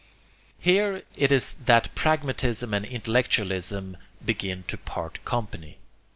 Here it is that pragmatism and intellectualism begin to part company.